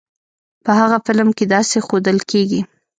په هغه فلم کې داسې ښودل کېږی.